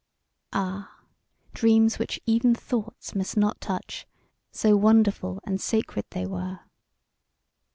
Ah, dreams which even thoughts must not touch so wonderful and sacred they were.